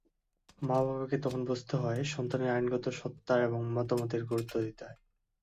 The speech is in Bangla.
মা-বাবাকে তখন বুঝতে হয়, সন্তানের আইনগত সত্তার এবং মতামতের গুরুত্ব দিতে হয়।